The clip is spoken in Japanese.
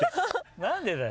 何でだよ。